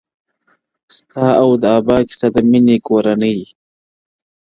• ستا او د ابا کیسه د میني، کورنۍ -